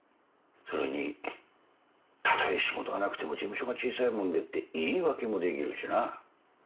それにたとえ仕事がなくても事務所が小さいもんでって言い訳もできるしな。